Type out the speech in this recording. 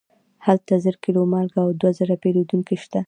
هلته زر کیلو مالګه او دوه زره پیرودونکي شته.